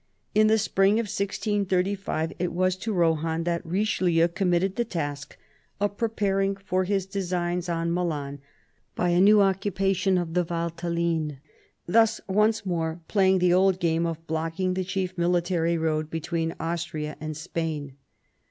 In the spring of 1635, it was to Rohan that Richelieu committed the task of preparing for his designs on Milan by a new occupation of the Valtelline, thus once more playing the old game of blocking the chief military road between Austria and Spain.